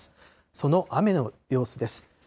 その雨の様子です。